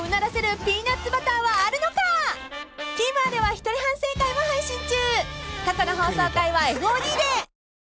［ＴＶｅｒでは一人反省会も配信中］